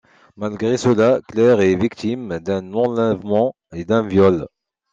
Malgré cela, Claire est victime d'un enlèvement et d'un viol.